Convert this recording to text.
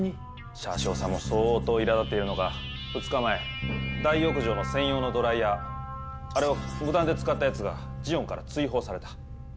シャア少佐も相当いらだっているのか２日前大浴場の専用のドライヤーあれを無断で使ったやつがジオンから追放された。